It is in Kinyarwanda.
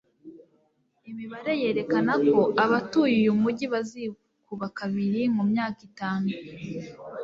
Imibare yerekana ko abatuye uyu mujyi bazikuba kabiri mu myaka itanu